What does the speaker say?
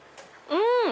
うん！